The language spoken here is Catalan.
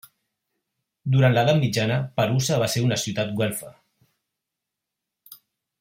Durant l'edat mitjana, Perusa va ser una ciutat güelfa.